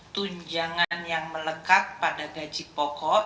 tunjangan yang melekat pada gaji pokok